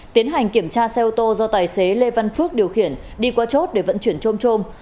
tiến hành kiểm tra xe ô tô do tài xế lê văn phước điều khiển đi qua chốt để vận chuyển trôm trôm